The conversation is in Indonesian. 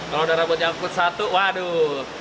kalau udah rambut nyangkut satu waduh